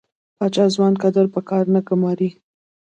پاچا ځوان کدر په کار نه ګماري .